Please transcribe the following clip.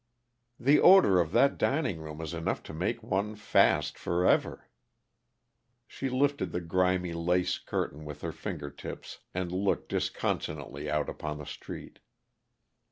"The odor of that dining room is enough to make one fast forever." She lifted the grimy lace curtain with her finger tips and looked disconsolately out upon the street.